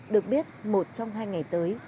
được biết một trong hai ngày tới